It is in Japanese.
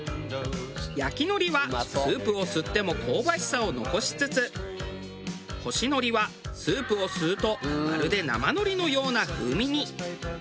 焼き海苔はスープを吸っても香ばしさを残しつつ干し海苔はスープを吸うとまるで生海苔のような風味に。